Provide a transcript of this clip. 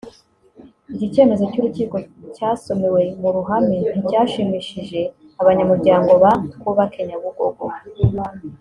Iki cyemezo cy’urukiko cyasomewe mu ruhame nticyashimishije abanyamuryango ba “Twubake Nyabugogo”